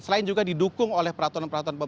selain juga didukung oleh peraturan peraturan pemerintah